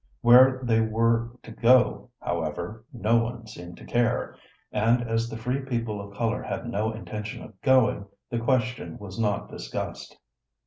Where they were to go, however, no one seemed to care, and as the free people of color had no intention of going, the question was not discussed.